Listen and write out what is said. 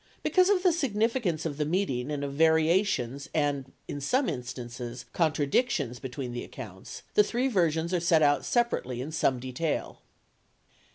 79 Because of the significance of the meeting and of vari ations and, in some instances, contradictions between the accounts, the three versions are set out separately in some detail.